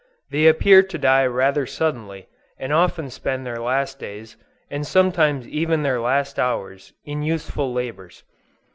They appear to die rather suddenly, and often spend their last days, and sometimes even their last hours, in useful labors.